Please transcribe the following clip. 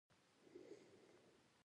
که لس لوحې وي، ستونزه نه وي.